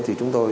thì chúng tôi